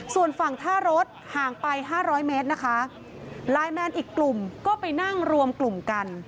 ส่วนฝั่งท่ารถห่างไปห้าร้อยเมตรนะคะไลน์แมนอีกกลุ่มก็ไปนั่งรวมกลุ่มกัน